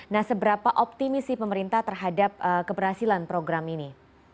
nah seberapa optimis sih pemerintah terhadap keberhasilan program ini